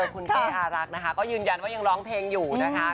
คุณเป้อารักษ์นะคะก็ยืนยันว่ายังร้องเพลงอยู่นะคะ